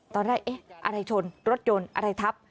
ตอนแรกเอ๊ะอะไรชนรถยนต์อะไรทับ